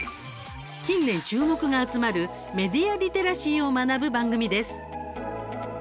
近年、注目が集まる「メディア・リテラシー」を学ぶ番組です。